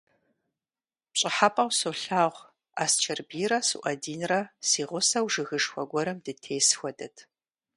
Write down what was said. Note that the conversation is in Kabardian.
ПщӀыхьэпӀэу солъагъу: Асчэрбийрэ СуӀэдинрэ си гъусэу жыгышхуэ гуэрым дытес хуэдэт.